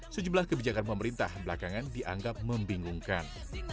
sejumlah kebijakan pemerintah belakangan dianggap membingungkan